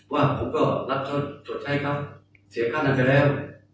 ว่าผมก็รับเขาชดใช้ครับเสียค่านั้นไปแล้ว